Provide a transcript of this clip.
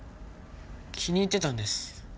気に入ってたんですこれ。